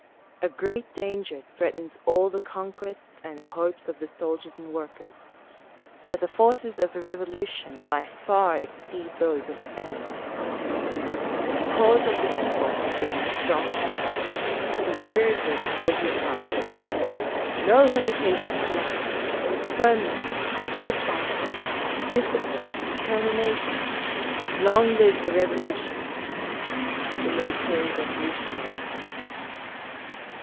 A great danger threatens all the conquests and hopes of the soldiers and workers. But the forces of the Revolution by far exceed those of its enemies. The cause of the People is in strong hands. The conspirators will be crushed. No hesitation or doubts! Firmness, steadfastness, discipline, determination! Long live the Revolution! _The Military Revolutionary Committee.